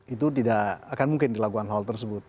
itu tidak akan mungkin dilakukan hal tersebut